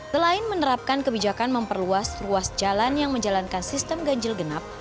selain menerapkan kebijakan memperluas ruas jalan yang menjalankan sistem ganjil genap